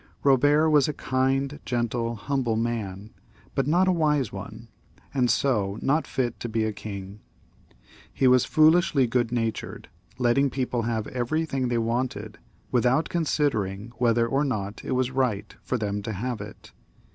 Bobert was a kind, gentle, humble man, but not a wise one, and so not fit to be a king. He was foolishly good natured, letting people have everything they wanted, without considering whether or not it was right for them to have it.